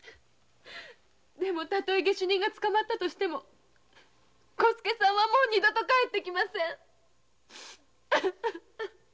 でも例え下手人が捕まっても小助さんはもう二度と帰ってきません。